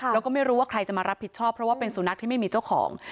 แล้วก็ไม่รู้ว่าใครจะมารับผิดชอบเพราะว่าเป็นสุนัขที่ไม่มีเจ้าของ